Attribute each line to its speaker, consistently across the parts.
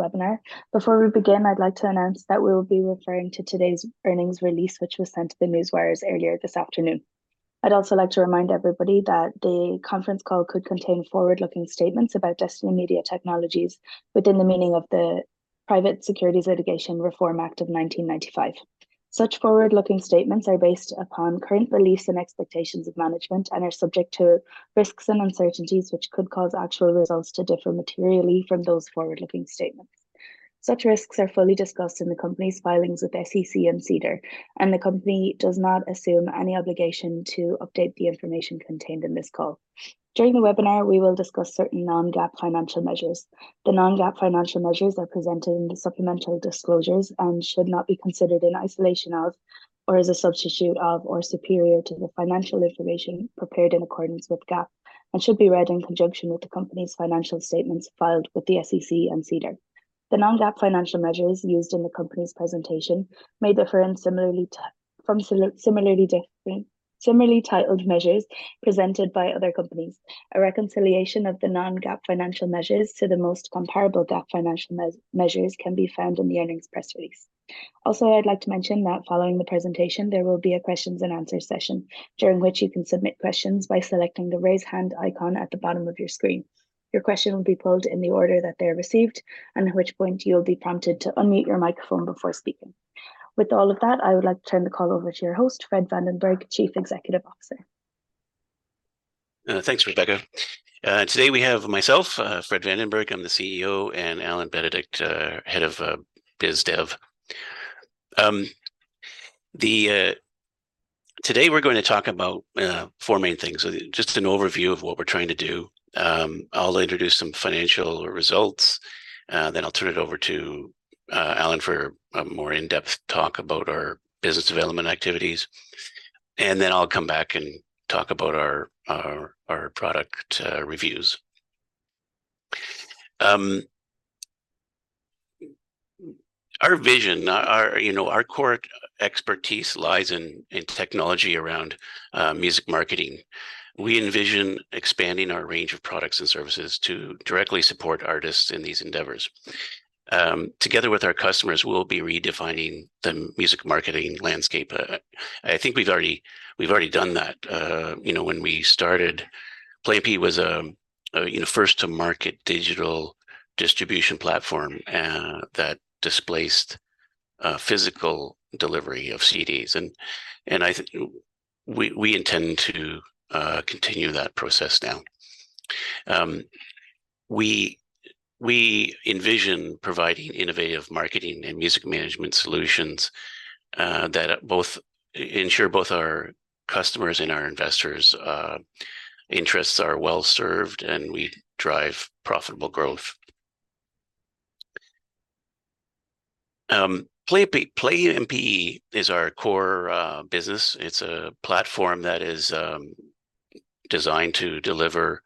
Speaker 1: Webinar. Before we begin, I'd like to announce that we will be referring to today's earnings release, which was sent to the newswires earlier this afternoon. I'd also like to remind everybody that the conference call could contain forward-looking statements about Destiny Media Technologies within the meaning of the Private Securities Litigation Reform Act of 1995. Such forward-looking statements are based upon current beliefs and expectations of management and are subject to risks and uncertainties, which could cause actual results to differ materially from those forward-looking statements. Such risks are fully discussed in the company's filings with the SEC and SEDAR, and the company does not assume any obligation to update the information contained in this call. During the webinar, we will discuss certain non-GAAP financial measures. The non-GAAP financial measures are presented in the supplemental disclosures and should not be considered in isolation of or as a substitute of or superior to the financial information prepared in accordance with GAAP, and should be read in conjunction with the company's financial statements filed with the SEC and SEDAR. The non-GAAP financial measures used in the company's presentation may differ from similarly titled measures presented by other companies. A reconciliation of the non-GAAP financial measures to the most comparable GAAP financial measures can be found in the earnings press release. Also, I'd like to mention that following the presentation, there will be a questions and answer session, during which you can submit questions by selecting the Raise Hand icon at the bottom of your screen. Your question will be pulled in the order that they're received, and at which point you'll be prompted to unmute your microphone before speaking. With all of that, I would like to turn the call over to your host, Fred Vandenberg, Chief Executive Officer.
Speaker 2: Thanks, Rebecca. Today we have myself, Fred Vandenberg, I'm the CEO, and Allan Benedict, Head of Biz Dev. Today we're going to talk about four main things. So just an overview of what we're trying to do. I'll introduce some financial results, then I'll turn it over to Allan for a more in-depth talk about our business development activities. Then I'll come back and talk about our product reviews. Our vision, you know, our core expertise lies in technology around music marketing. We envision expanding our range of products and services to directly support artists in these endeavors. Together with our customers, we'll be redefining the music marketing landscape. I think we've already done that. You know, when we started, Play MPE was, you know, first to market digital distribution platform that displaced physical delivery of CDs. And I think we intend to continue that process now. We envision providing innovative marketing and music management solutions that both ensure both our customers and our Investors' interests are well served, and we drive profitable growth. Play MPE is our core business. It's a platform that is designed to deliver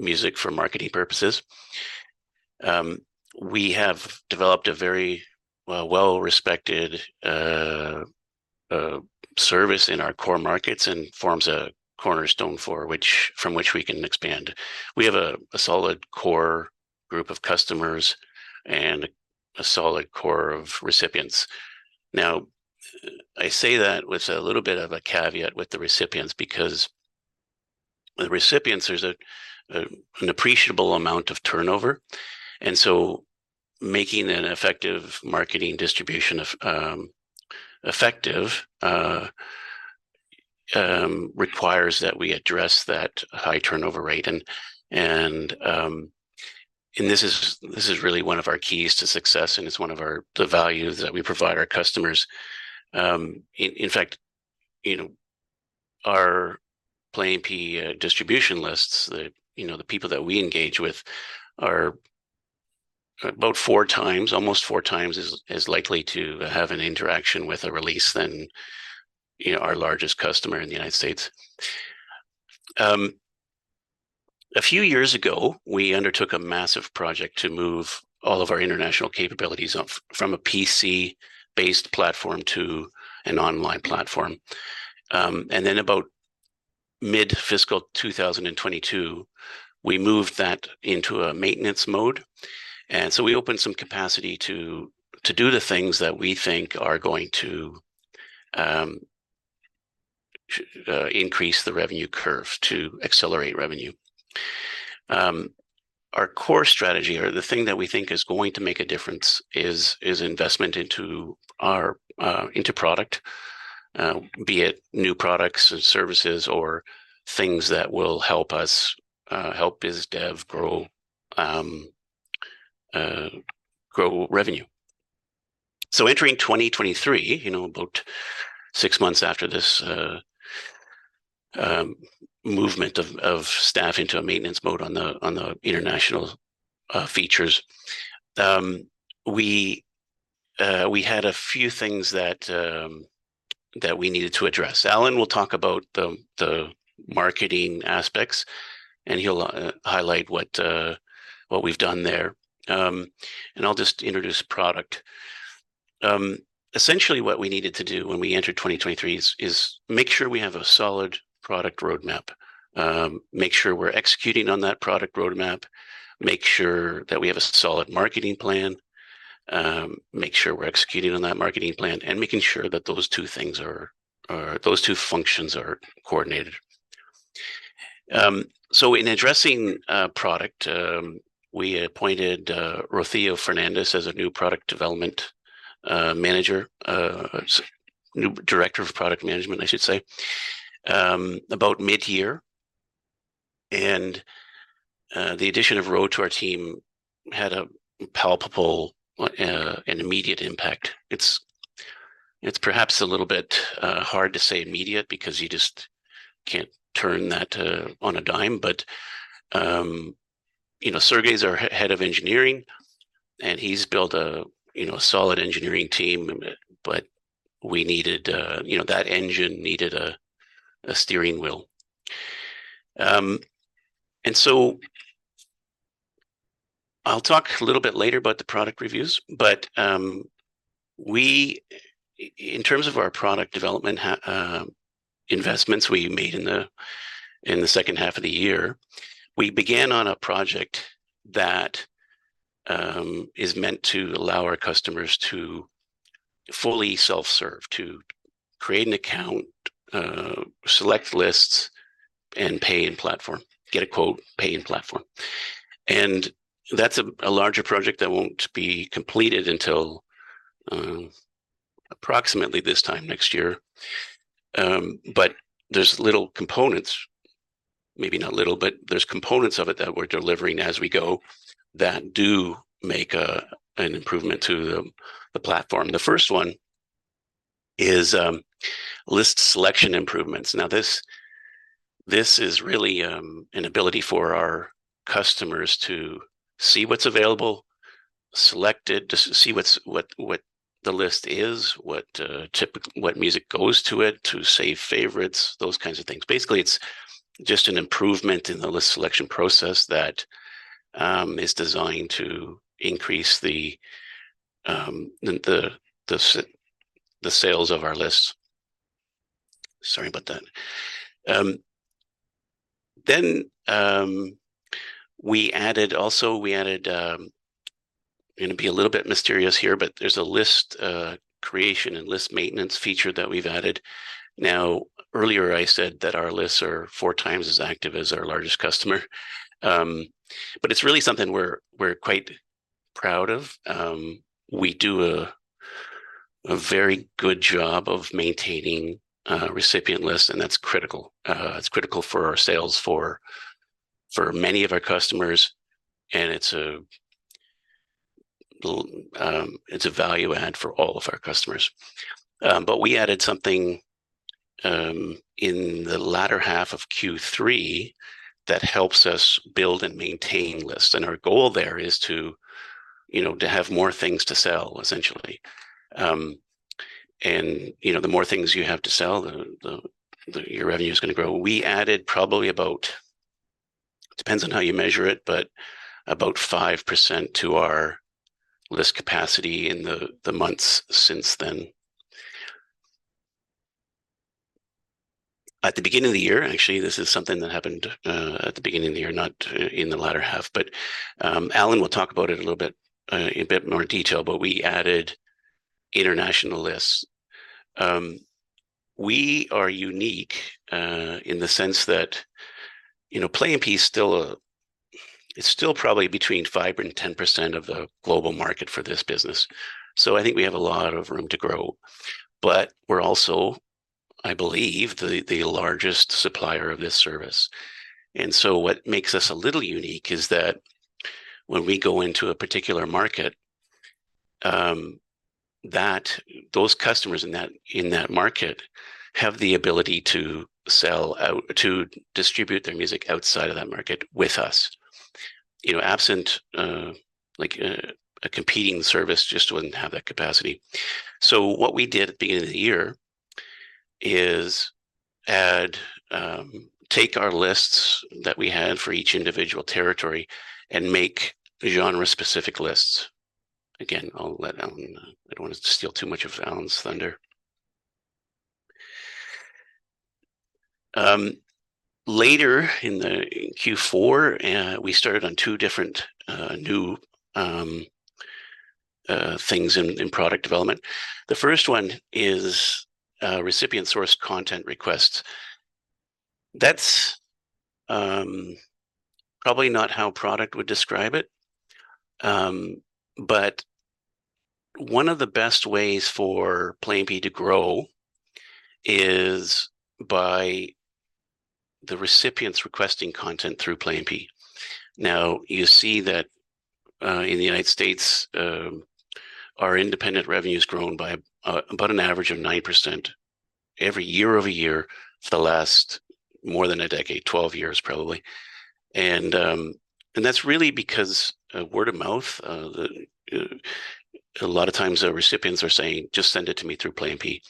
Speaker 2: music for marketing purposes. We have developed a very well-respected service in our core markets and forms a cornerstone from which we can expand. We have a solid core group of customers and a solid core of recipients. Now, I say that with a little bit of a caveat with the recipients, because the recipients, there's a, an appreciable amount of turnover, and so making an effective marketing distribution of effective requires that we address that high turnover rate. This is really one of our keys to success, and it's one of our the value that we provide our customers. In fact, you know, our Play MPE distribution lists, the, you know, the people that we engage with are about four times, almost four times as likely to have an interaction with a release than, you know, our largest customer in the United States. A few years ago, we undertook a massive project to move all of our international capabilities off from a PC-based platform to an online platform. And then about mid-fiscal 2022, we moved that into a maintenance mode, and so we opened some capacity to do the things that we think are going to increase the revenue curve, to accelerate revenue. Our core strategy or the thing that we think is going to make a difference is investment into our into product, be it new products and services or things that will help us help biz dev grow, grow revenue. So entering 2023, you know, about six months after this movement of staff into a maintenance mode on the on the international features, we had a few things that that we needed to address. Allan will talk about the the marketing aspects, and he'll highlight what what we've done there. And I'll just introduce product. Essentially what we needed to do when we entered 2023 is make sure we have a solid product roadmap, make sure we're executing on that product roadmap, make sure that we have a solid marketing plan, make sure we're executing on that marketing plan, and making sure that those two things are those two functions are coordinated. So in addressing product, we appointed Rocio Fernandez as a new Product Development Manager, new Director of Product Management, I should say, about mid-year. And the addition of Ro to our team had a palpable an immediate impact. It's perhaps a little bit hard to say immediate because you just can't turn that on a dime. But, you know, Sergei is our head of engineering, and he's built a, you know, solid engineering team, but we needed, you know, that engine needed a steering wheel. And so I'll talk a little bit later about the product reviews, but, we in terms of our Product Development Investments we made in the second half of the year, we began on a project that is meant to allow our customers to fully self-serve, to create an account, select lists, and pay in platform, get a quote, pay in platform. And that's a larger project that won't be completed until approximately this time next year. But there's little components, maybe not little, but there's components of it that we're delivering as we go that do make an improvement to the platform. The first one is list selection improvements. Now, this is really an ability for our customers to see what's available, select it, to see what's what the list is, what music goes to it, to save favorites, those kinds of things. Basically, it's just an improvement in the list selection process that is designed to increase the sales of our lists. Sorry about that. Then, we also added. I'm gonna be a little bit mysterious here, but there's a list creation and list maintenance feature that we've added. Now, earlier, I said that our lists are four times as active as our largest customer, but it's really something we're quite proud of. We do a very good job of maintaining recipient lists, and that's critical. It's critical for our sales, for many of our customers, and it's a, it's a value add for all of our customers. But we added something in the latter half of Q3 that helps us build and maintain lists, and our goal there is to, you know, to have more things to sell, essentially. And, you know, the more things you have to sell, the your revenue is gonna grow. We added probably about, depends on how you measure it, but about 5% to our list capacity in the months since then. At the beginning of the year, actually, this is something that happened at the beginning of the year, not in the latter half, but Allan will talk about it a little bit in a bit more detail, but we added international lists. We are unique in the sense that, you know, Play MPE is still a it's still probably between 5% and 10% of the global market for this business, so I think we have a lot of room to grow. But we're also, I believe, the largest supplier of this service. And so what makes us a little unique is that when we go into a particular market, that those customers in that market have the ability to sell out, to distribute their music outside of that market with us. You know, absent like a competing service just wouldn't have that capacity. So what we did at the beginning of the year is add, take our lists that we had for each individual territory and make genre-specific lists. Again, I'll let Allan. I don't want to steal too much of Allan's thunder. Later in the Q4, we started on two different new things in product development. The first one is recipient-sourced content requests. That's probably not how product would describe it, but one of the best ways for Play MPE to grow is by the recipients requesting content through Play MPE. Now, you see that in the United States, our independent revenue has grown by about an average of 9% every year-over-year for the last more than a decade, twelve years, probably. And that's really because of word of mouth, a lot of times our recipients are saying, "Just send it to me through Play MPE."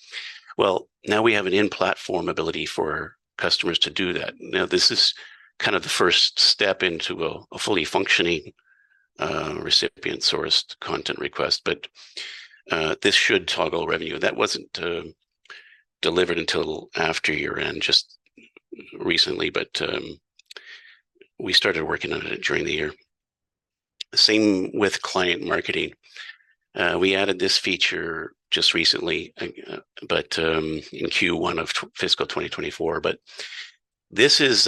Speaker 2: Well, now we have an in-platform ability for customers to do that. Now, this is kind of the first step into a fully functioning recipient-sourced content request, but this should toggle revenue. That wasn't delivered until after year-end, just recently, but we started working on it during the year. Same with client marketing. We added this feature just recently, but in Q1 of fiscal 2024. But this is,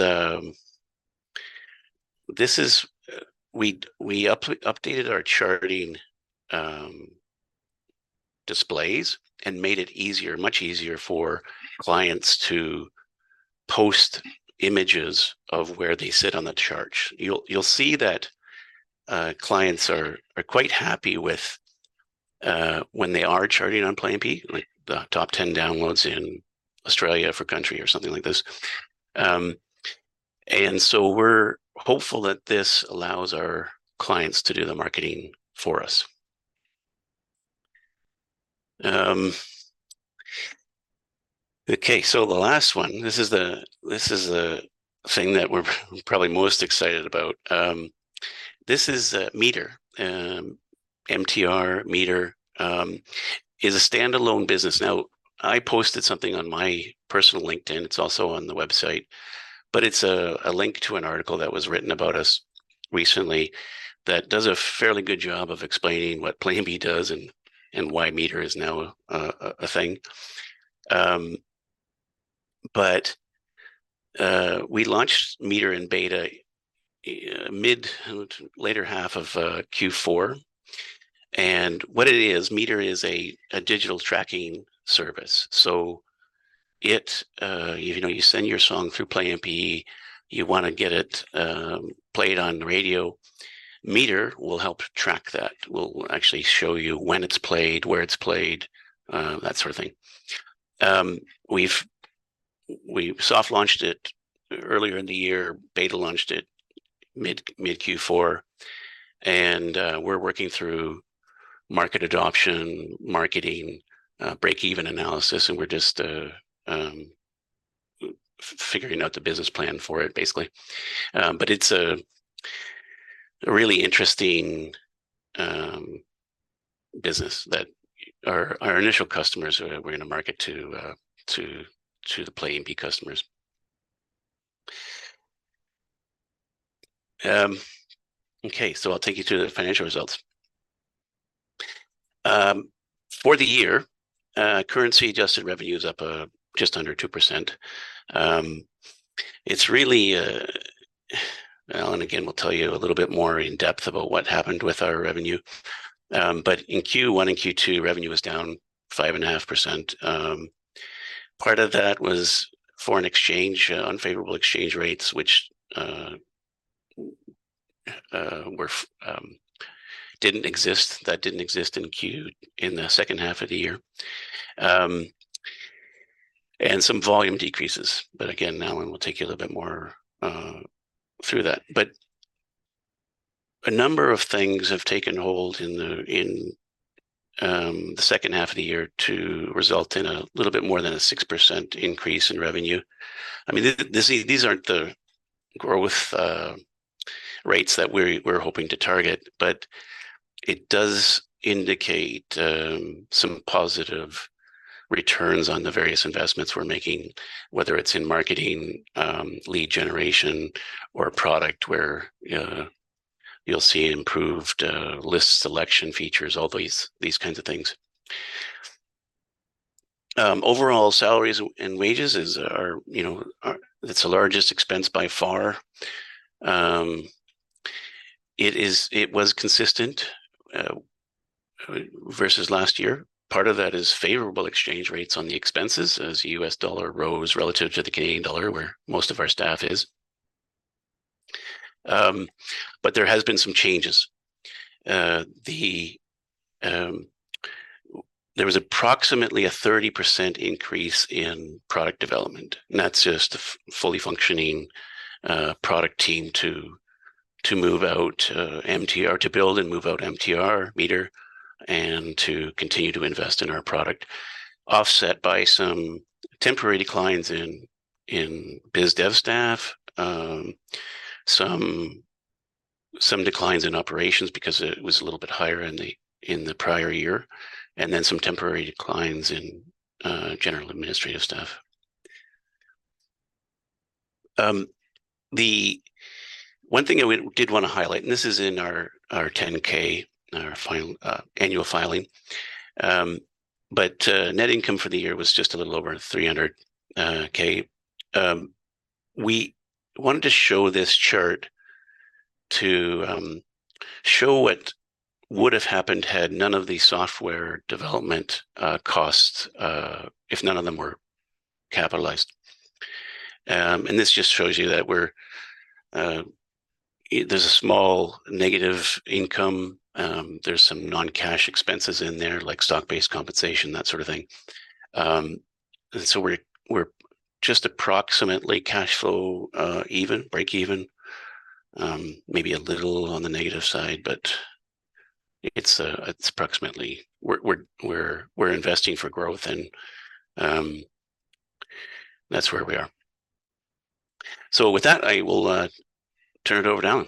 Speaker 2: this is we updated our charting displays and made it easier, much easier for clients to post images of where they sit on the chart. You'll see that clients are quite happy with when they are charting on Play MPE, like the top 10 downloads in Australia for country or something like this. And so we're hopeful that this allows our clients to do the marketing for us. Okay, so the last one, this is the, this is the thing that we're probably most excited about. This is Meter. MTR, Meter, is a standalone business. Now, I posted something on my personal LinkedIn, it's also on the website, but it's a link to an article that was written about us recently that does a fairly good job of explaining what Play MPE does and why Meter is now a thing. But we launched Meter in beta, later half of Q4. And what it is, Meter is a digital tracking service. So it, you know, you send your song through Play MPE, you wanna get it played on the radio, Meter will help track that. We'll actually show you when it's played, where it's played, that sort of thing. We've soft launched it earlier in the year, beta launched it mid-Q4, and we're working through market adoption, marketing, break-even analysis, and we're just figuring out the business plan for it, basically. But it's a really interesting business that our initial customers we're gonna market to, to the Play MPE customers. Okay, so I'll take you through the financial results. For the year, currency-adjusted revenue is up just under 2%. It's really well, and again, we'll tell you a little bit more in depth about what happened with our revenue. But in Q1 and Q2, revenue was down 5.5%. Part of that was foreign exchange, unfavorable exchange rates, which didn't exist, that didn't exist in the second half of the year. And some volume decreases, but again, now and we'll take you a little bit more through that. But a number of things have taken hold in the second half of the year to result in a little bit more than a 6% increase in revenue. I mean, these, these aren't the growth rates that we're hoping to target, but it does indicate some positive returns on the various investments we're making, whether it's in marketing, lead generation, or product, where you'll see improved list selection features, all these, these kinds of things. Overall, salaries and wages, you know, it's the largest expense by far. It was consistent versus last year. Part of that is favorable exchange rates on the expenses, as the U.S. dollar rose relative to the Canadian Dollar, where most of our staff is. But there has been some changes. There was approximately a 30% increase in product development, and that's just a fully functioning product team to move out MTR, to build and move out MTR, Meter, and to continue to invest in our product, offset by some temporary declines in biz dev staff. Some declines in operations because it was a little bit higher in the prior year, and then some temporary declines in general administrative staff. The one thing I did want to highlight, and this is in our 10-K, our annual filing, but net income for the year was just a little over $300,000. We wanted to show this chart to show what would have happened had none of the software development costs, if none of them were capitalized. And this just shows you that we're, there's a small negative income. There's some non-cash expenses in there, like stock-based compensation, that sort of thing. And so we're investing for growth. That's where we are. So with that, I will turn it over to Allan.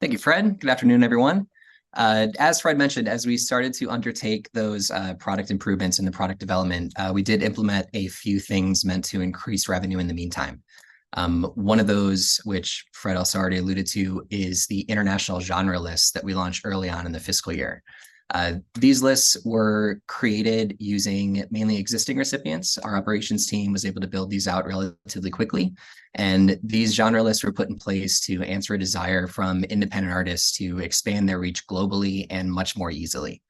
Speaker 3: Thank you, Fred. Good afternoon, everyone. As Fred mentioned, as we started to undertake those product improvements in the product development, we did implement a few things meant to increase revenue in the meantime. One of those, which Fred also already alluded to, is the international genre list that we launched early on in the fiscal year. These lists were created using mainly existing recipients. Our Operations Team was able to build these out relatively quickly, and these genre lists were put in place to answer a desire from independent artists to expand their reach globally and much more easily.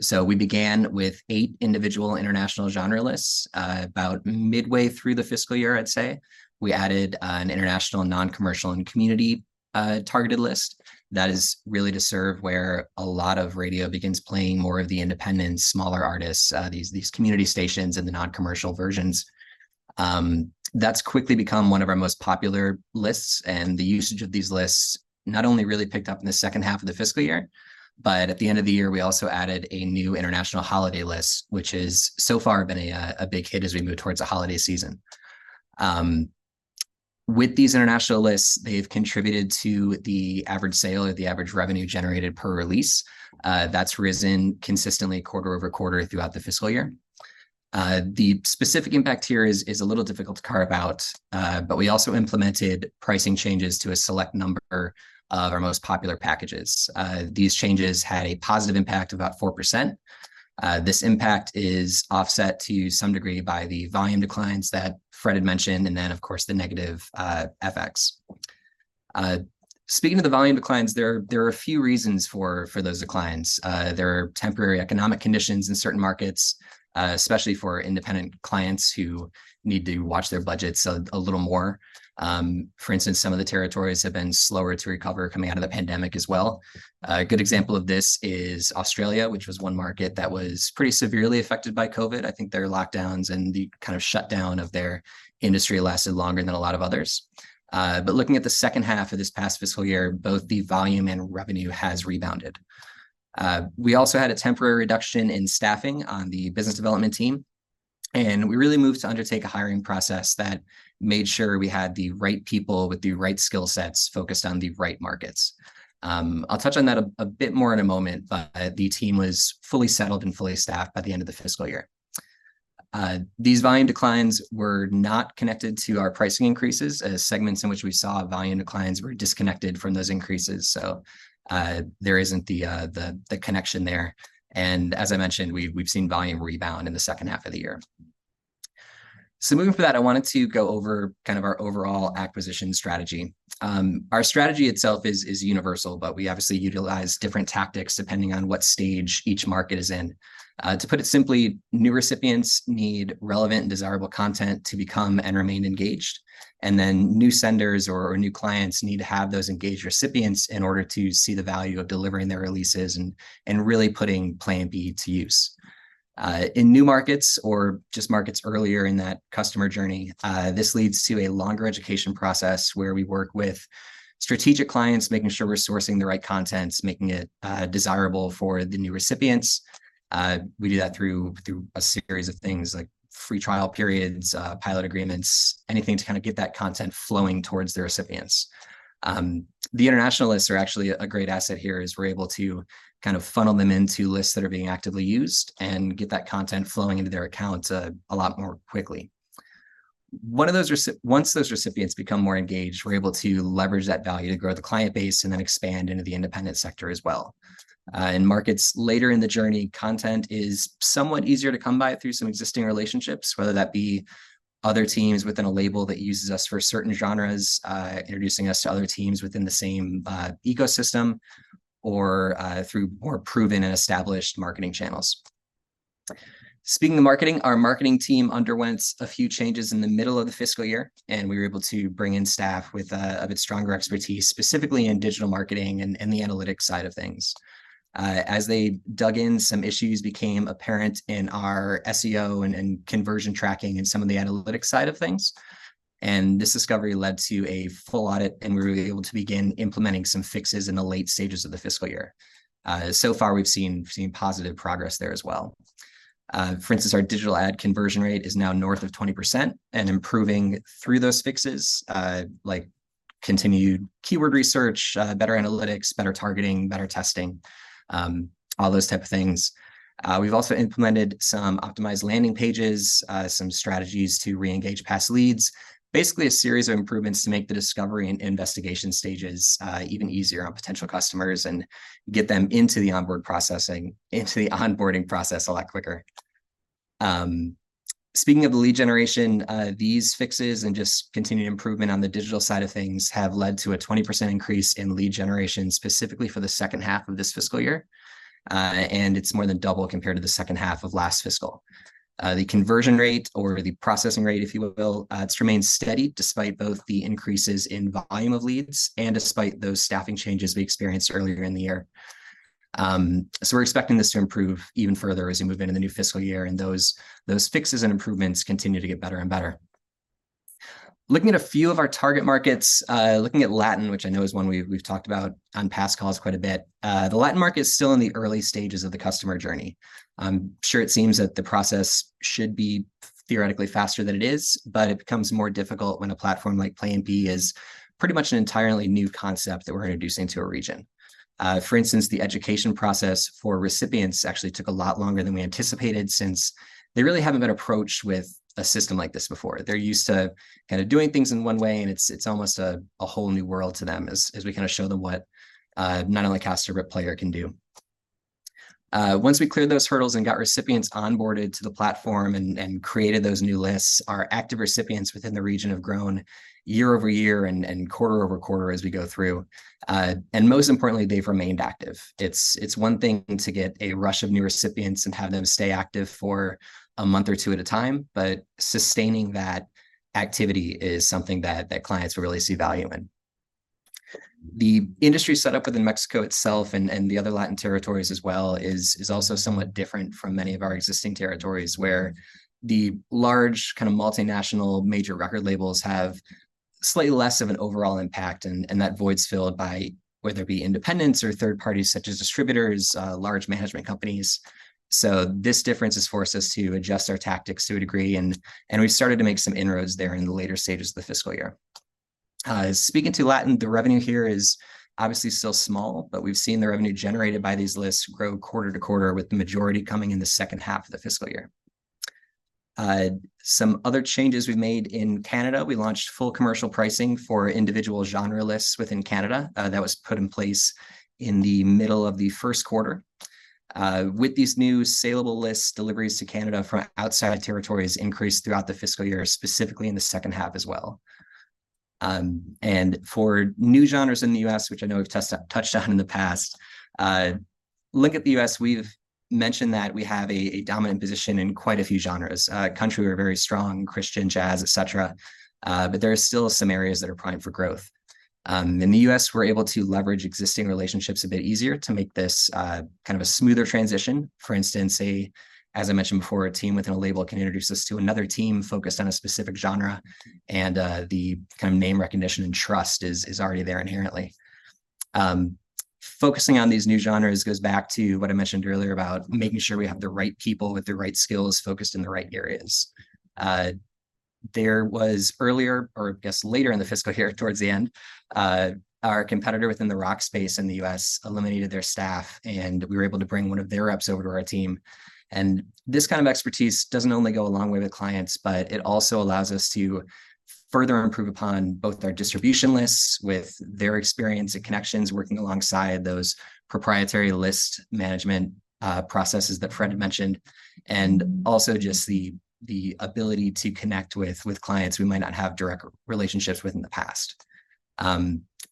Speaker 3: So we began with eight individual international genre lists. About midway through the fiscal year, I'd say, we added an international, non-commercial, and community targeted list that is really to serve where a lot of radio begins playing more of the independent, smaller artists, these, these community stations and the non-commercial versions. That's quickly become one of our most popular lists, and the usage of these lists not only really picked up in the second half of the fiscal year, but at the end of the year, we also added a new international holiday list, which has so far been a big hit as we move towards the holiday season. With these international lists, they've contributed to the average sale or the average revenue generated per release. That's risen consistently quarter-over-quarter throughout the fiscal year. The specific impact here is a little difficult to carve out, but we also implemented pricing changes to a select number of our most popular packages. These changes had a positive impact of about 4%. This impact is offset to some degree by the volume declines that Fred had mentioned, and then, of course, the negative FX. Speaking of the volume declines, there are a few reasons for those declines. There are temporary economic conditions in certain markets, especially for independent clients who need to watch their budgets a little more. For instance, some of the territories have been slower to recover coming out of the pandemic as well. A good example of this is Australia, which was one market that was pretty severely affected by COVID. I think their lockdowns and the kind of shutdown of their industry lasted longer than a lot of others. But looking at the second half of this past fiscal year, both the volume and revenue has rebounded. We also had a temporary reduction in staffing on the Business Development Team, and we really moved to undertake a hiring process that made sure we had the right people with the right skill sets focused on the right markets. I'll touch on that a bit more in a moment, but the team was fully settled and fully staffed by the end of the fiscal year. These volume declines were not connected to our pricing increases, as segments in which we saw volume declines were disconnected from those increases, so there isn't the connection there. As I mentioned, we've seen volume rebound in the second half of the year. Moving from that, I wanted to go over kind of our overall acquisition strategy. Our strategy itself is universal, but we obviously utilize different tactics depending on what stage each market is in. To put it simply, new recipients need relevant and desirable content to become and remain engaged, and then new senders or new clients need to have those engaged recipients in order to see the value of delivering their releases and really putting Plan B to use. In new markets or just markets earlier in that customer journey, this leads to a longer education process, where we work with strategic clients, making sure we're sourcing the right content, making it desirable for the new recipients. We do that through a series of things like free trial periods, pilot agreements, anything to kind of get that content flowing towards the recipients. The international lists are actually a great asset here, as we're able to kind of funnel them into lists that are being actively used and get that content flowing into their accounts, a lot more quickly. Once those recipients become more engaged, we're able to leverage that value to grow the client base and then expand into the Independent Sector as well. In markets later in the journey, content is somewhat easier to come by through some existing relationships, whether that be other teams within a label that uses us for certain genres, introducing us to other teams within the same ecosystem, or through more proven and established marketing channels. Speaking of marketing, our marketing team underwent a few changes in the middle of the fiscal year, and we were able to bring in staff with a bit stronger expertise, specifically in digital marketing and the analytics side of things. As they dug in, some issues became apparent in our SEO and conversion tracking and some of the analytics side of things, and this discovery led to a full audit, and we were able to begin implementing some fixes in the late stages of the fiscal year. So far, we've seen positive progress there as well. For instance, our digital ad conversion rate is now north of 20% and improving through those fixes, like continued keyword research, better analytics, better targeting, better testing, all those type of things. We've also implemented some optimized landing pages, some strategies to re-engage past leads. Basically, a series of improvements to make the discovery and investigation stages even easier on potential customers and get them into the onboarding process a lot quicker. Speaking of the Lead Generation, these fixes and just continued improvement on the digital side of things have led to a 20% increase in Lead Generation, specifically for the second half of this fiscal year, and it's more than double compared to the second half of last fiscal. The conversion rate or the processing rate, if you will, it's remained steady despite both the increases in volume of leads and despite those staffing changes we experienced earlier in the year. So we're expecting this to improve even further as we move into the new fiscal year, and those, those fixes and improvements continue to get better and better.... Looking at a few of our target markets, looking at Latin, which I know is one we, we've talked about on past calls quite a bit. The Latin market is still in the early stages of the customer journey. I'm sure it seems that the process should be theoretically faster than it is, but it becomes more difficult when a platform like Play MPE is pretty much an entirely new concept that we're introducing to a region. For instance, the education process for recipients actually took a lot longer than we anticipated, since they really haven't been approached with a system like this before. They're used to kinda doing things in one way, and it's almost a whole new world to them as we kinda show them what, not only Caster, but Player can do. Once we cleared those hurdles and got recipients onboarded to the platform and created those new lists, our active recipients within the region have grown year-over-year and quarter-over-quarter as we go through. And most importantly, they've remained active. It's one thing to get a rush of new recipients and have them stay active for a month or two at a time, but sustaining that activity is something that clients really see value in. The industry setup within Mexico itself, and the other Latin territories as well, is also somewhat different from many of our existing territories, where the large, kind of, multinational major record labels have slightly less of an overall impact. And that void's filled by whether it be independents or third parties, such as distributors, large management companies. So this difference has forced us to adjust our tactics to a degree, and we've started to make some inroads there in the later stages of the fiscal year. Speaking to Latin, the revenue here is obviously still small, but we've seen the revenue generated by these lists grow quarter to quarter, with the majority coming in the second half of the fiscal year. Some other changes we've made, in Canada, we launched full commercial pricing for individual genre lists within Canada. That was put in place in the middle of the first quarter. With these new saleable lists, deliveries to Canada from outside territories increased throughout the fiscal year, specifically in the second half as well. And for new genres in the U.S., which I know we've touched on in the past, looking at the U.S., we've mentioned that we have a dominant position in quite a few genres. Country, we're very strong, Christian, jazz, etc., but there are still some areas that are primed for growth. In the U.S., we're able to leverage existing relationships a bit easier to make this kind of a smoother transition. For instance, as I mentioned before, a team within a label can introduce us to another team focused on a specific genre, and the kind of name recognition and trust is already there inherently. Focusing on these new genres goes back to what I mentioned earlier about making sure we have the right people with the right skills focused in the right areas. There was earlier, or I guess, later in the fiscal year, towards the end, our competitor within the rock space in the U.S. eliminated their staff, and we were able to bring one of their reps over to our team. This kind of expertise doesn't only go a long way with clients, but it also allows us to further improve upon both our distribution lists, with their experience and connections, working alongside those proprietary list management processes that Fred mentioned, and also just the ability to connect with clients we might not have direct relationships with in the past.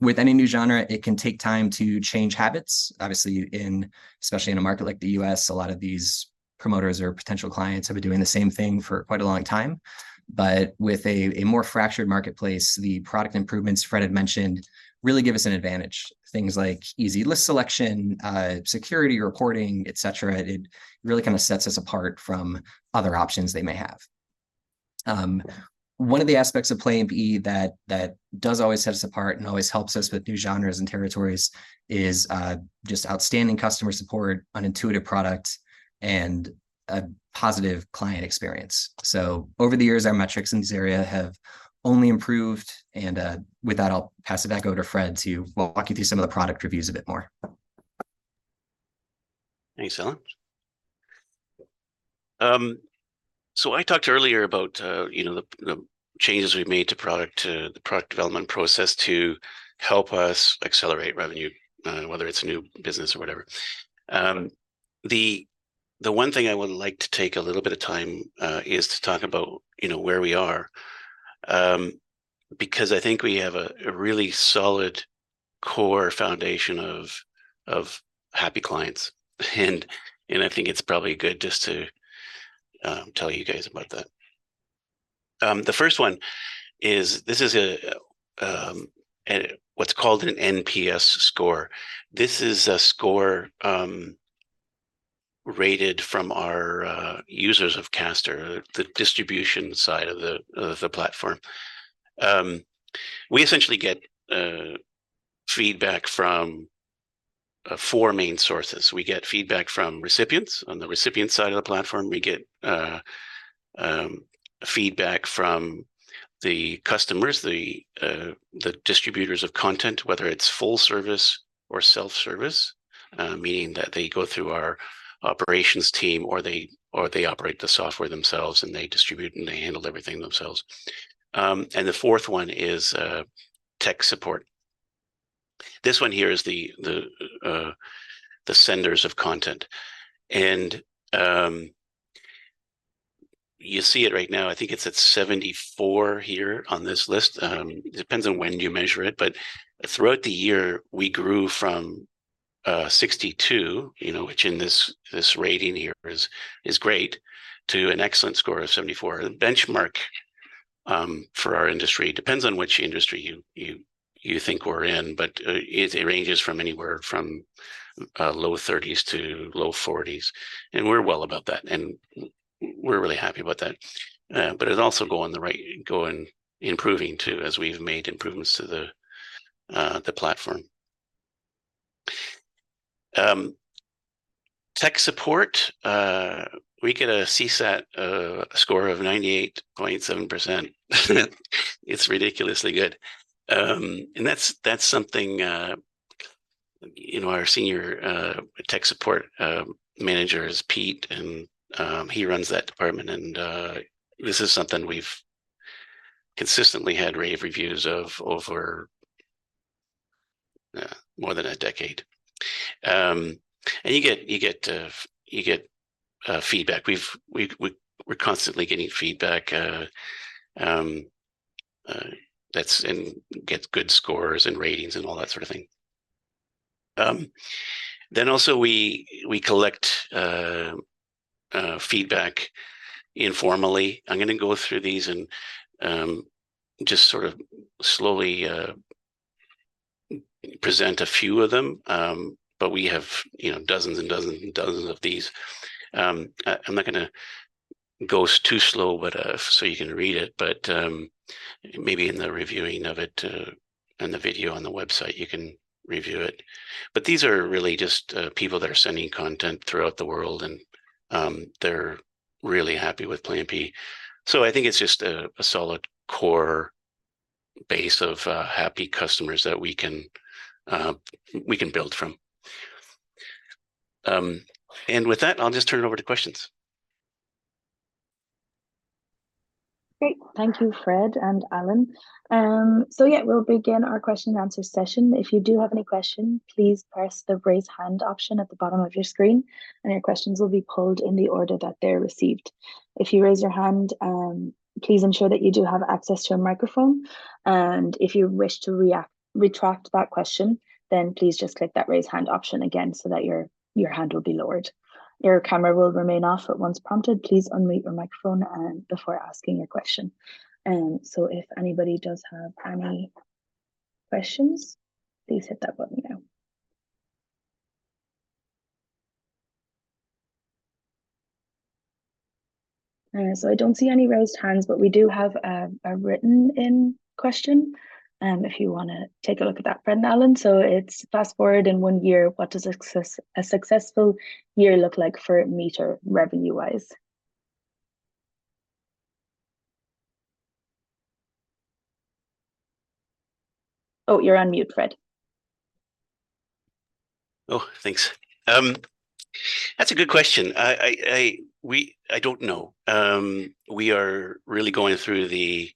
Speaker 3: With any new genre, it can take time to change habits. Obviously, especially in a market like the U.S., a lot of these promoters or potential clients have been doing the same thing for quite a long time. But with a more fractured marketplace, the product improvements Fred had mentioned really give us an advantage. Things like easy list selection, security, reporting, et cetera, it really kind of sets us apart from other options they may have. One of the aspects of Plan B that does always set us apart and always helps us with new genres and territories is just outstanding customer support, an intuitive product, and a positive client experience. So over the years, our metrics in this area have only improved, and with that, I'll pass it back over to Fred to walk you through some of the product reviews a bit more.
Speaker 2: Thanks, Allan. So I talked earlier about, you know, the changes we've made to product, to the product development process to help us accelerate revenue, whether it's new business or whatever. The one thing I would like to take a little bit of time is to talk about, you know, where we are. Because I think we have a really solid core foundation of happy clients, and I think it's probably good just to tell you guys about that. The first one is, This is a what's called an NPS score. This is a score rated from our users of Caster, the distribution side of the platform. We essentially get feedback from four main sources. We get feedback from recipients on the recipient side of the platform. We get feedback from the customers, the distributors of content, whether it's full service or self-service, meaning that they go through our operations team, or they operate the software themselves, and they distribute, and they handle everything themselves. And the fourth one is tech support. This one here is the senders of content, and you see it right now, I think it's at 74 here on this list. It depends on when you measure it, but throughout the year, we grew from 62, you know, which in this rating here is great, to an excellent score of 74. The benchmark for our industry depends on which industry you. You think we're in, but it ranges from anywhere from low 30s-low 40s, and we're well above that, and we're really happy about that. But it's also going, improving, too, as we've made improvements to the platform. Tech support, we get a CSAT score of 98.7%. It's ridiculously good. And that's something, you know, our Senior Tech Support Manager is Peter, and he runs that Department, and this is something we've consistently had rave reviews of over more than a decade. And you get feedback. We're constantly getting feedback, that's and gets good scores, and ratings, and all that sort of thing. Then also, we collect feedback informally. I'm gonna go through these and just sort of slowly present a few of them. But we have, you know, dozens, and dozens, and dozens of these. I'm not gonna go too slow, but so you can read it, but maybe in the reviewing of it and the video on the website, you can review it. But these are really just people that are sending content throughout the world, and they're really happy with Play MPE. So I think it's just a solid core base of happy customers that we can build from. And with that, I'll just turn it over to questions.
Speaker 1: Great. Thank you, Fred and Allan. So yeah, we'll begin our question and answer session. If you do have any question, please press the Raise Hand option at the bottom of your screen, and your questions will be pulled in the order that they're received. If you raise your hand, please ensure that you do have access to a microphone, and if you wish to retract that question, then please just click that Raise Hand option again so that your hand will be lowered. Your camera will remain off, but once prompted, please unmute your microphone, and before asking your question. And so if anybody does have any questions, please hit that button now. So I don't see any raised hands, but we do have a written-in question if you wanna take a look at that, Fred and Allan. So it's, "Fast-forward in one year, what does a successful year look like for Meter, revenue-wise?" Oh, you're on mute, Fred.
Speaker 2: Oh, thanks. That's a good question. I don't know. We are really going through the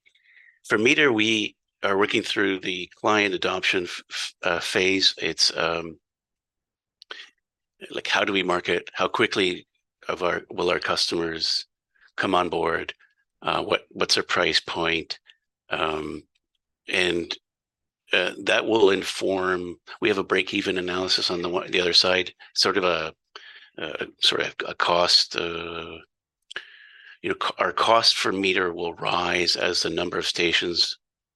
Speaker 2: for Meter, we are working through the client adoption phase. It's like, how do we market? How quickly will our customers come on board? What's our price point? And that will inform. We have a break-even analysis on the other side, sort of a sort of a cost. You know, our cost for Meter will rise as the number of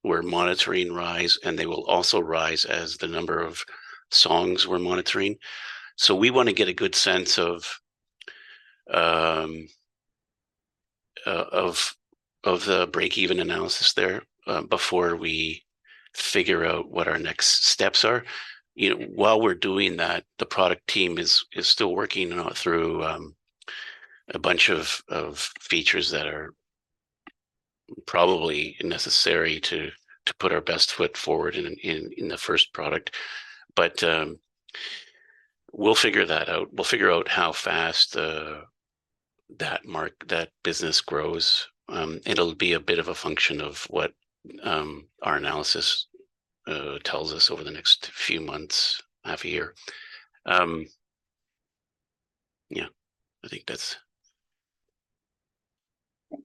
Speaker 2: stations we're monitoring rise, and they will also rise as the number of songs we're monitoring. So we wanna get a good sense of the break-even analysis there, before we figure out what our next steps are. You know, while we're doing that, the Product Team is still working through a bunch of features that are probably necessary to put our best foot forward in the first product. But we'll figure that out. We'll figure out how fast that business grows. It'll be a bit of a function of what our Analysis tells us over the next few months, half a year. Yeah, I think that's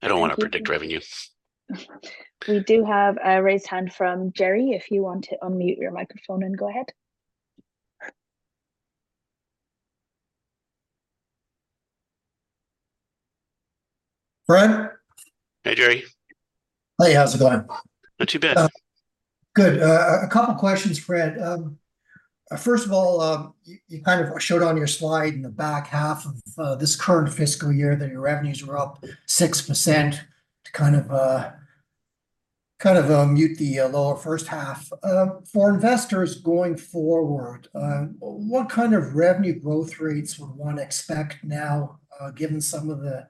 Speaker 2: I don't wanna predict revenue.
Speaker 1: We do have a raised hand from Jerry, if you want to unmute your microphone and go ahead.
Speaker 4: Fred?
Speaker 2: Hey, Jerry.
Speaker 4: Hey, how's it going?
Speaker 2: Not too bad.
Speaker 4: Good. A couple questions, Fred. First of all, you kind of showed on your slide in the back half of this current fiscal year that your revenues were up 6%, to kind of mute the lower first half. For investors going forward, what kind of revenue growth rates would one expect now, given some of the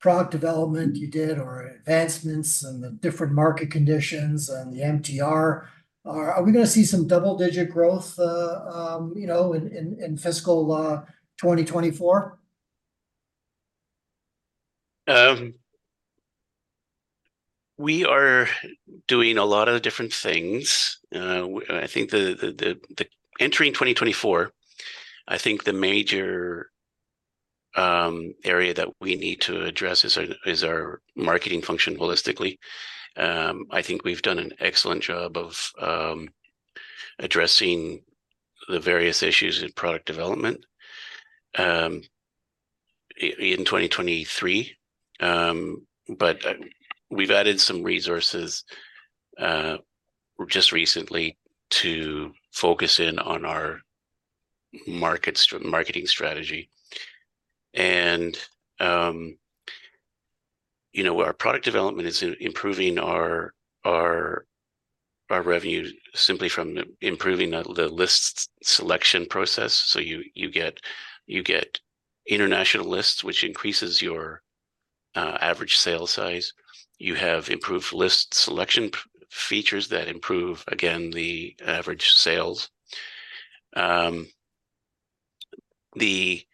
Speaker 4: Product Development you did, or advancements, and the different market conditions, and the MTR? Are we gonna see some double-digit growth, you know, in fiscal 2024?
Speaker 2: We are doing a lot of different things. I think... Entering 2024, I think the major area that we need to address is our marketing function holistically. I think we've done an excellent job of addressing the various issues in product development. In 2023, but we've added some resources just recently to focus in on our marketing strategy. And, you know, our product development is improving our revenue simply from improving the list selection process. So you get international lists, which increases your average sale size. You have improved list selection features that improve, again, the average sales. The.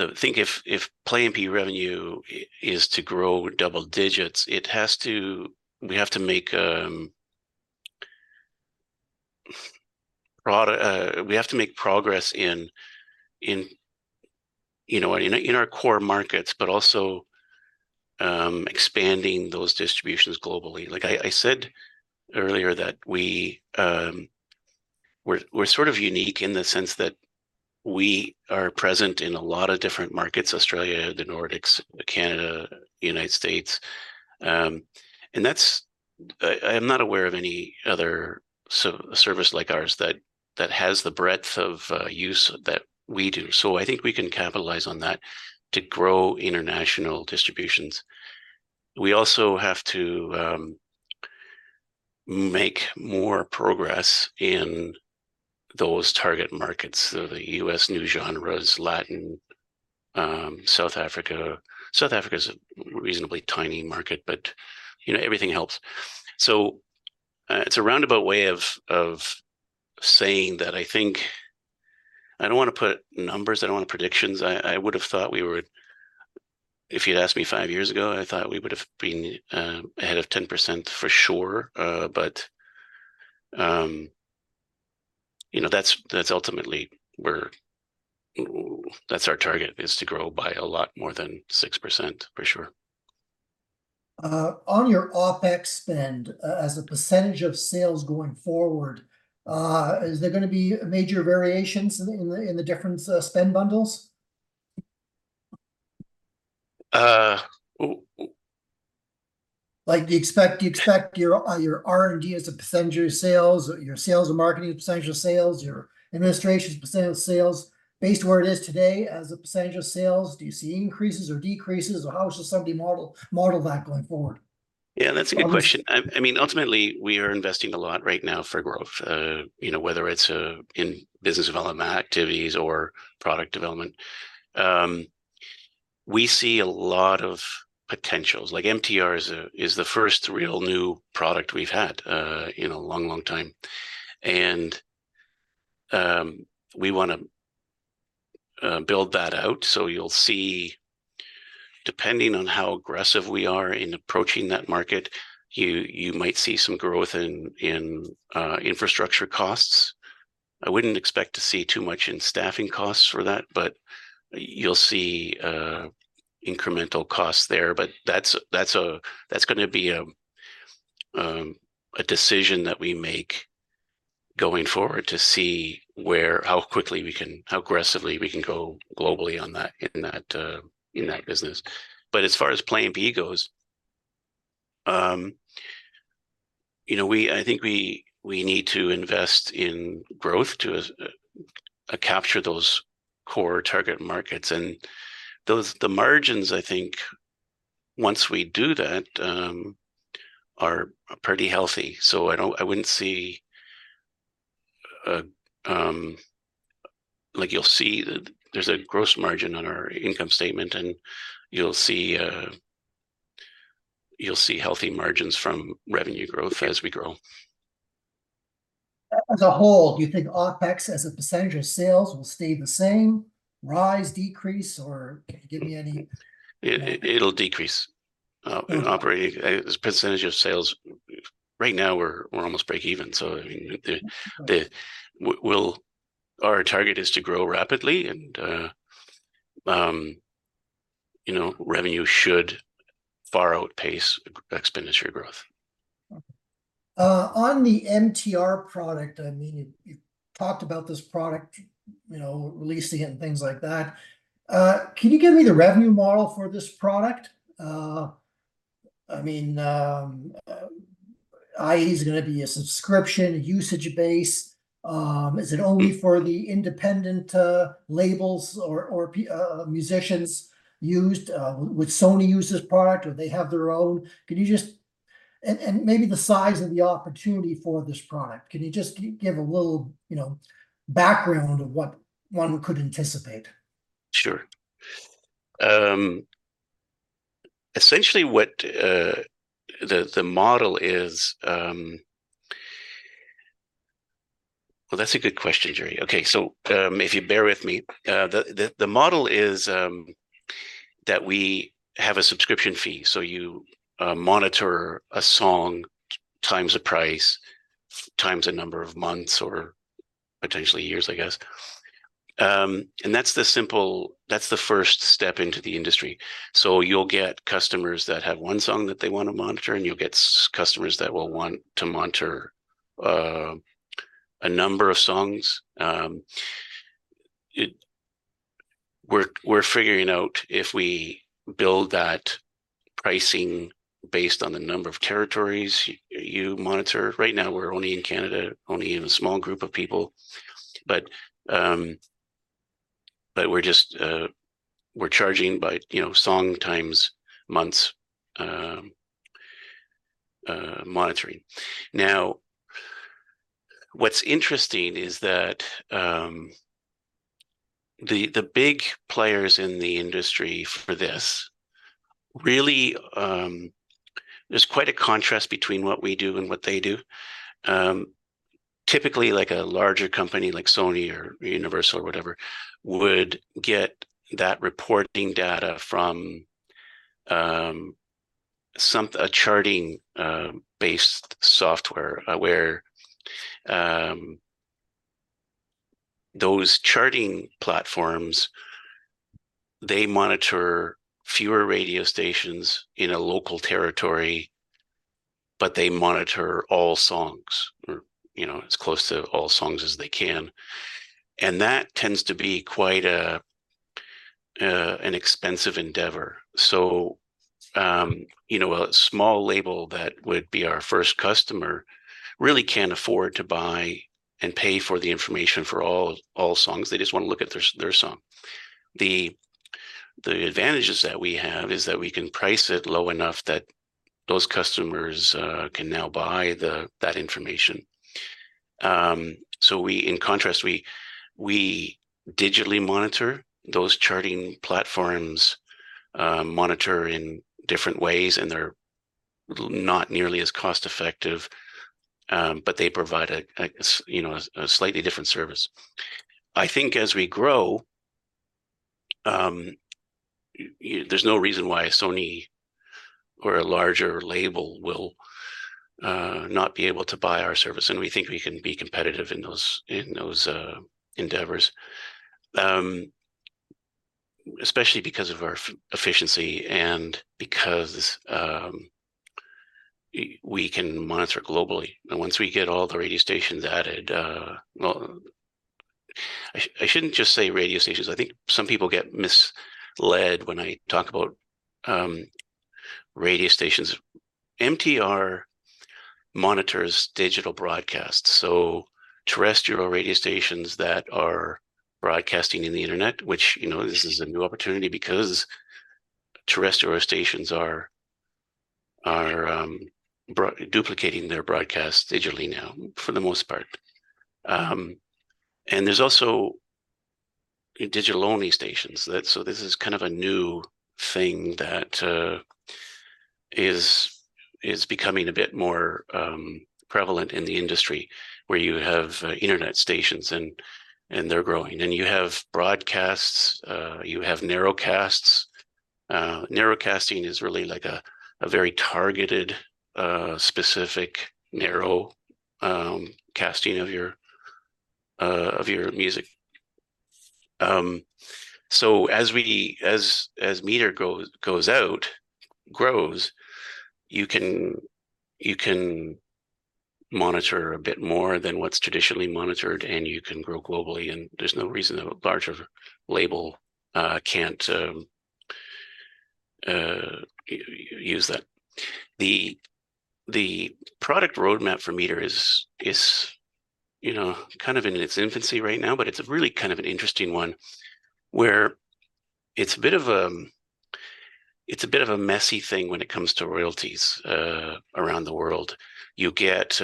Speaker 2: I think if Play MPE revenue is to grow double digits, we have to make progress in, you know, our core markets, but also expanding those distributions globally. Like I said earlier that we're sort of unique in the sense that we are present in a lot of different markets: Australia, the Nordics, Canada, United States. And that's, I'm not aware of any other service like ours that has the breadth of use that we do. So I think we can capitalize on that to grow international distributions. We also have to make more progress in those target markets, so the U.S. new genres, Latin, South Africa. South Africa is a reasonably tiny market, but, you know, everything helps. So, it's a roundabout way of saying that I think... I don't want to put numbers, I don't want predictions. I would have thought we would. If you'd asked me five years ago, I thought we would have been ahead of 10% for sure. But, you know, that's ultimately where that's our target, is to grow by a lot more than 6%, for sure.
Speaker 4: On your OpEx spend, as a percentage of sales going forward, is there gonna be major variations in the different spend bundles?
Speaker 2: Uh, ooh-
Speaker 4: Like, do you expect, do you expect your, your R&D as a percentage of sales, or your sales and marketing as a percentage of sales, your administration as a percentage of sales? Based on where it is today as a percentage of sales, do you see increases or decreases, or how should somebody model, model that going forward?
Speaker 2: Yeah, that's a good question.
Speaker 4: Um-
Speaker 2: I mean, ultimately, we are investing a lot right now for growth. You know, whether it's in business development activities or product development. We see a lot of potentials. Like MTR is the first real new product we've had in a long, long time. And we wanna build that out. So you'll see, depending on how aggressive we are in approaching that market, you might see some growth in infrastructure costs. I wouldn't expect to see too much in staffing costs for that, but you'll see incremental costs there. But that's a decision that we make going forward to see where, how quickly we can, how aggressively we can go globally on that, in that business. But as far as Play MPE goes, you know, I think we, we need to invest in growth to capture those core target markets. And those, the margins, I think, once we do that, are pretty healthy. So I wouldn't see... Like, you'll see that there's a gross margin on our income statement, and you'll see, you'll see healthy margins from revenue growth as we grow.
Speaker 4: As a whole, do you think OpEx, as a percentage of sales, will stay the same, rise, decrease, or can you give me any-
Speaker 2: It'll decrease.
Speaker 4: Okay.
Speaker 2: Operating as a percentage of sales, right now we're almost break even. So, I mean, our target is to grow rapidly and, you know, revenue should far outpace expenditure growth.
Speaker 4: On the MTR product, I mean, you talked about this product, you know, releasing it and things like that. Can you give me the revenue model for this product? I mean, i.e., is it gonna be a subscription, a usage base? Is it only for the independent labels or musicians used? Would Sony use this product, or they have their own? Could you just... And maybe the size of the opportunity for this product. Can you just give a little, you know, background of what one could anticipate?
Speaker 2: Sure. Essentially, what, the model is... Well, that's a good question, Jerry. Okay, so, if you bear with me, the model is that we have a subscription fee. So you monitor a song times a price, times the number of months or potentially years, I guess. And that's the simple- that's the first step into the industry. So you'll get customers that have one song that they wanna monitor, and you'll get customers that will want to monitor a number of songs. We're figuring out if we build that pricing based on the number of territories you monitor. Right now, we're only in Canada, only in a small group of people. But, but we're just, we're charging by, you know, song times, months, monitoring. Now, what's interesting is that, the big players in the industry for this really... There's quite a contrast between what we do and what they do. Typically, like a larger company like Sony or Universal or whatever, would get that reporting data from a charting-based software, where those charting platforms, they monitor fewer radio stations in a local territory, but they monitor all songs or, you know, as close to all songs as they can, and that tends to be quite an expensive endeavor. So, you know, a small label that would be our first customer really can't afford to buy and pay for the information for all songs. They just wanna look at their song. The advantages that we have is that we can price it low enough that those customers can now buy that information. So we, in contrast, digitally monitor. Those charting platforms monitor in different ways, and they're not nearly as cost-effective, but they provide a, you know, a slightly different service. I think as we grow, there's no reason why Sony or a larger label will not be able to buy our service, and we think we can be competitive in those endeavors. Especially because of our efficiency and because we can monitor globally. And once we get all the radio stations added... Well, I shouldn't just say radio stations. I think some people get misled when I talk about radio stations. MTR monitors digital broadcasts, so terrestrial radio stations that are broadcasting in the internet, which, you know, this is a new opportunity because terrestrial stations are duplicating their broadcasts digitally now, for the most part. And there's also digital-only stations that... So this is kind of a new thing that is becoming a bit more prevalent in the industry, where you have internet stations and they're growing. And you have broadcasts, you have narrowcasts. Narrowcasting is really like a very targeted specific narrow casting of your music. So as we as MTR goes out grows, you can monitor a bit more than what's traditionally monitored, and you can grow globally, and there's no reason that a larger label can't use that. The product roadmap for MTR is, you know, kind of in its infancy right now, but it's a really kind of an interesting one, where it's a bit of a messy thing when it comes to royalties around the world. You get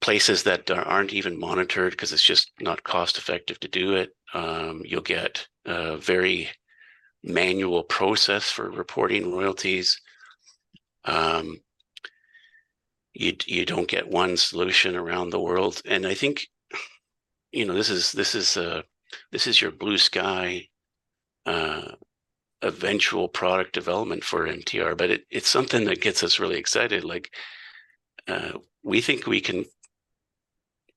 Speaker 2: places that aren't even monitored 'cause it's just not cost-effective to do it. You'll get a very manual process for reporting royalties. You don't get one solution around the world, and I think, you know, this is your blue sky eventual product development for MTR, but it's something that gets us really excited. Like, we think we can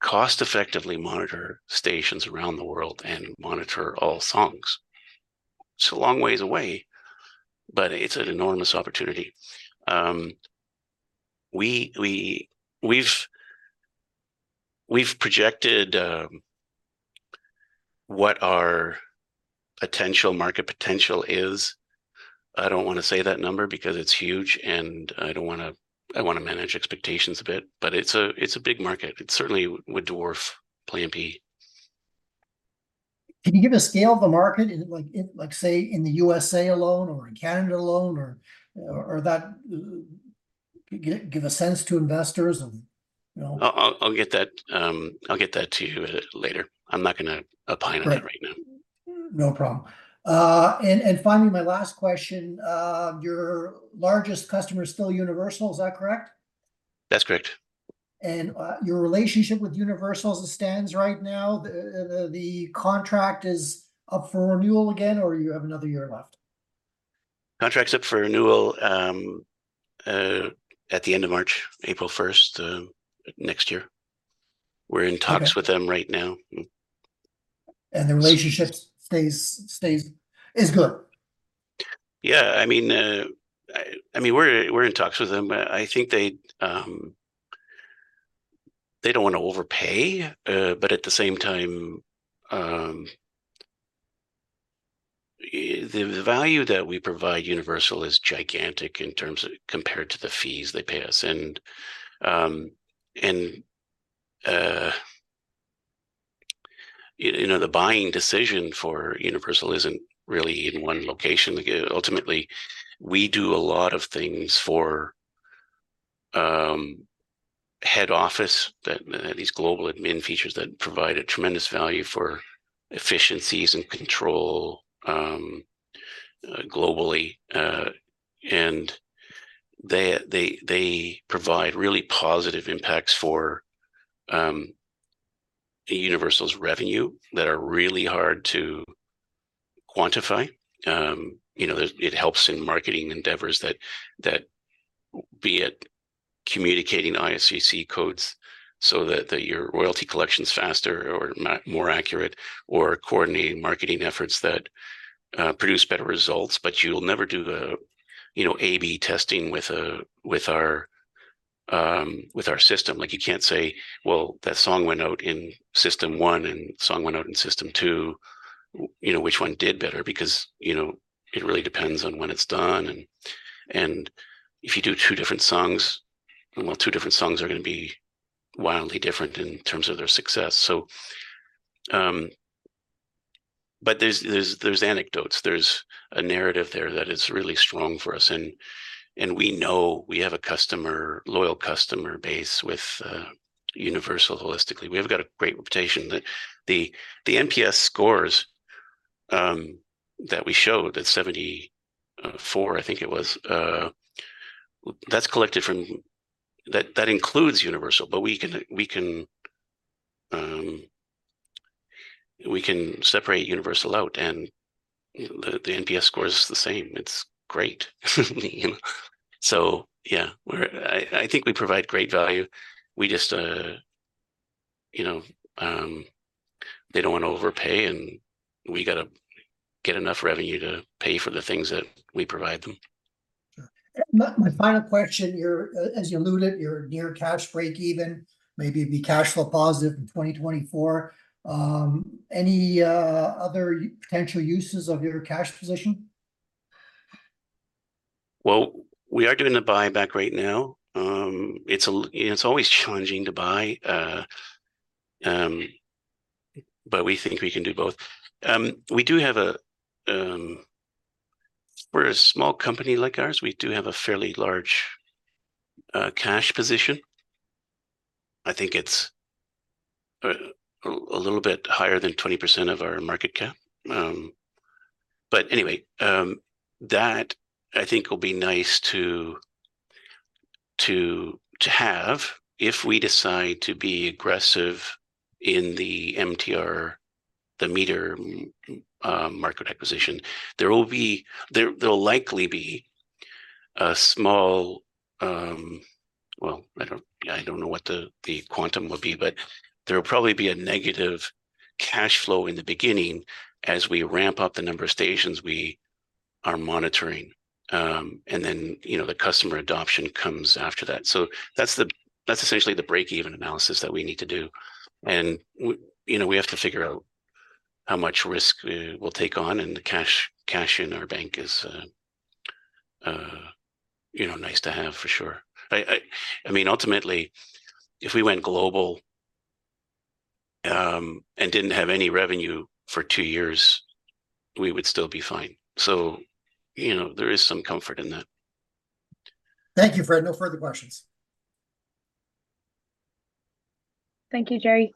Speaker 2: cost-effectively monitor stations around the world and monitor all songs. It's a long ways away, but it's an enormous opportunity. We've projected what our potential market potential is. I don't wanna say that number because it's huge, and I don't wanna... I wanna manage expectations a bit, but it's a big market. It certainly would dwarf Play MPE.
Speaker 4: Can you give a scale of the market in, like, say, in the USA alone or in Canada alone, or that... Give a sense to investors and, you know?
Speaker 2: I'll get that to you later. I'm not gonna opine on it-
Speaker 4: Right
Speaker 2: Right now.
Speaker 4: No problem. And finally, my last question. Your largest customer is still Universal, is that correct?
Speaker 2: That's correct.
Speaker 4: And, your relationship with Universal as it stands right now, the contract is up for renewal again, or you have another year left?
Speaker 2: Contract's up for renewal, at the end of March, April 1st, next year.
Speaker 4: Okay.
Speaker 2: We're in talks with them right now.
Speaker 4: The relationship stays, stays... is good?...
Speaker 2: Yeah, I mean, I mean, we're in talks with them. But I think they don't wanna overpay, but at the same time, the value that we provide Universal is gigantic in terms of-- compared to the fees they pay us. And you know, the buying decision for Universal isn't really in one location. Ultimately, we do a lot of things for head office, that these global admin features that provide a tremendous value for efficiencies and control, globally. And they provide really positive impacts for Universal's revenue that are really hard to quantify. You know, there's-- it helps in marketing endeavors that, that, be it communicating ISRC codes so that, that your royalty collection's faster or more accurate, or coordinating marketing efforts that produce better results. But you'll never do the, you know, AB testing with our system. Like, you can't say, "Well, that song went out in system one, and song went out in system two," you know, which one did better? Because, you know, it really depends on when it's done. And if you do two different songs, well, two different songs are gonna be wildly different in terms of their success. So, but there's anecdotes. There's a narrative there that is really strong for us, and we know we have a loyal customer base with Universal holistically. We have got a great reputation. The NPS scores that we showed, that 74, I think it was, that's collected from... That includes Universal. But we can separate Universal out, and the NPS score is the same. It's great. So yeah, I think we provide great value. We just, you know, they don't wanna overpay, and we gotta get enough revenue to pay for the things that we provide them.
Speaker 4: Sure. My final question, you're, as you alluded, you're near cash break even, maybe be cash flow positive in 2024. Any other potential uses of your cash position?
Speaker 2: Well, we are doing a buyback right now. It's a little—you know, it's always challenging to buy, but we think we can do both. We do have a... For a small company like ours, we do have a fairly large cash position. I think it's a little bit higher than 20% of our market cap. But anyway, that I think will be nice to have if we decide to be aggressive in the MTR, the meter market acquisition. There'll likely be a small... Well, I don't know what the quantum would be, but there will probably be a negative cash flow in the beginning as we ramp up the number of stations we are monitoring. And then, you know, the customer adoption comes after that. So that's essentially the break-even analysis that we need to do. And you know, we have to figure out how much risk we'll take on, and the cash in our bank is, you know, nice to have, for sure. I mean, ultimately, if we went global, and didn't have any revenue for two years, we would still be fine. So, you know, there is some comfort in that.
Speaker 4: Thank you, Fred. No further questions.
Speaker 1: Thank you, Jerry.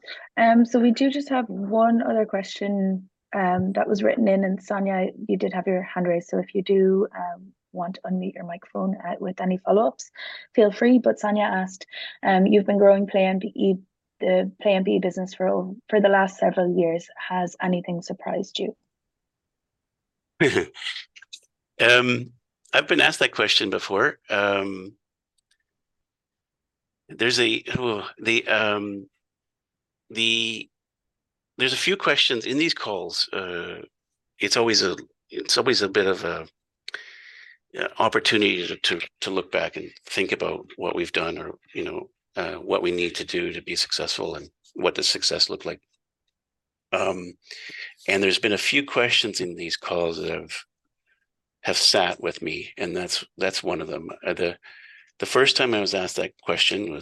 Speaker 1: So we do just have one other question that was written in, and Sonya, you did have your hand raised. So if you do want to unmute your microphone with any follow-ups, feel free. But Sonya asked, "You've been growing Play MPE, the Play MPE business for the last several years. Has anything surprised you?
Speaker 2: I've been asked that question before. There's a few questions in these calls. It's always a bit of a opportunity to look back and think about what we've done or, you know, what we need to do to be successful, and what does success look like? And there's been a few questions in these calls that have sat with me, and that's one of them. The first time I was asked that question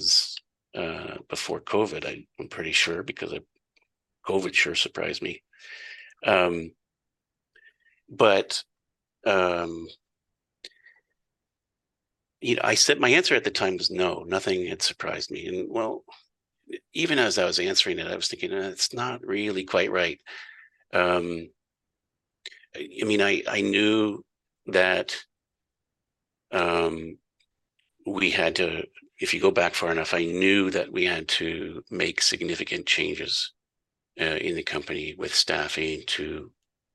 Speaker 2: was before COVID. I'm pretty sure, because COVID sure surprised me. But you know, I said my answer at the time was no, nothing had surprised me. Well, even as I was answering it, I was thinking, "it's not really quite right." I mean, I knew that we had to... If you go back far enough, I knew that we had to make significant changes in the company with staffing to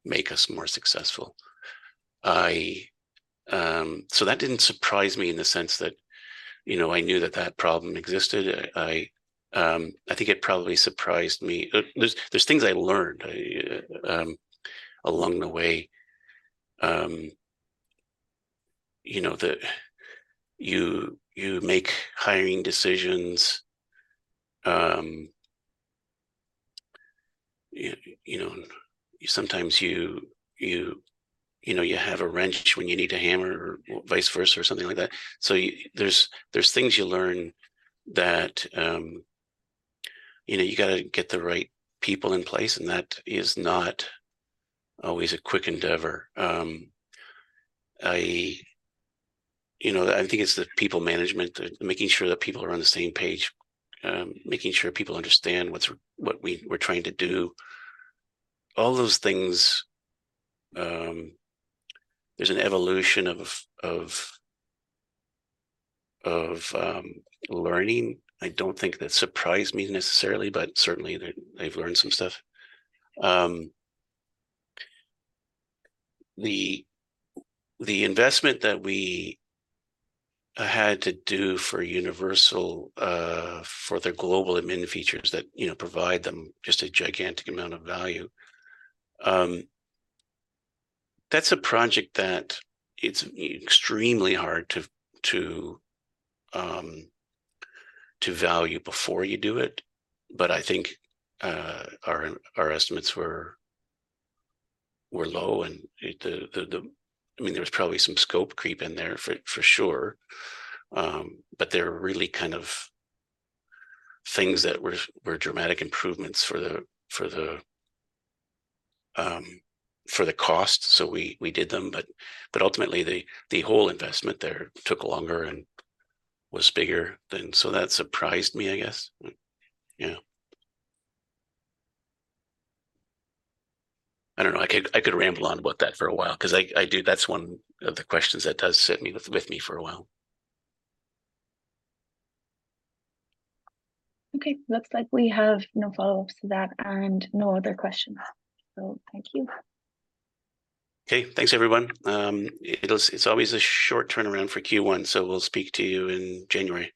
Speaker 2: make us more successful. So that didn't surprise me in the sense that, you know, I knew that that problem existed. I think it probably surprised me. There's things I learned along the way. You know, that you make hiring decisions, you know, sometimes you know, you have a wrench when you need a hammer, or vice versa, or something like that. So there's things you learn that, you know, you gotta get the right people in place, and that is not always a quick endeavor. You know, I think it's the people management, the making sure that people are on the same page, making sure people understand what we're trying to do. All those things, there's an evolution of learning. I don't think that surprised me necessarily, but certainly, I've learned some stuff. The investment that we had to do for Universal, for the global admin features that, you know, provide them just a gigantic amount of value, that's a project that it's extremely hard to value before you do it, but I think our estimates were low, and the... I mean, there was probably some scope creep in there for sure. But they were really kind of things that were dramatic improvements for the cost, so we did them. But ultimately, the whole investment there took longer and was bigger than, So that surprised me, I guess. Yeah. I don't know. I could ramble on about that for a while, 'cause I do... That's one of the questions that does sit with me for a while.
Speaker 1: Okay, looks like we have no follow-ups to that, and no other questions, so thank you.
Speaker 2: Okay, thanks, everyone. It is, it's always a short turnaround for Q1, so we'll speak to you in January.